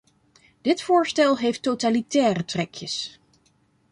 Dit voorstel heeft totalitaire trekjes.